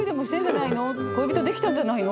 「恋人できたんじゃないの？」